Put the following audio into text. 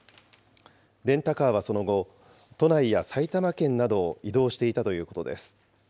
レンタカーはその後、都内や埼玉県などを移動していたということです。